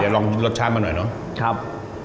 เดี๋ยวลองรสชาติมาหน่อยน้องครับ